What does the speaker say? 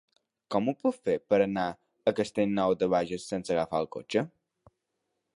Com ho puc fer per anar a Castellnou de Bages sense agafar el cotxe?